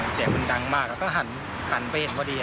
เสียงมันดังมากแล้วก็หันไปเห็นพอดี